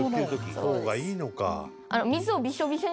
外の方がいいのか。